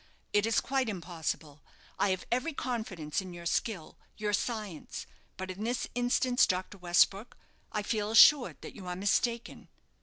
"It is quite impossible. I have every confidence in your skill, your science; but in this instance, Dr. Westbrook, I feel assured that you are mistaken."